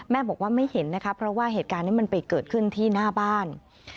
แม่บอกว่าไม่เห็นนะคะเพราะว่าเหตุการณ์นี้มันไปเกิดขึ้นที่หน้าบ้าน